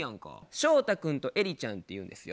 翔太君とエリちゃんっていうんですよ。